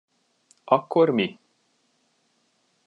Akkor mi?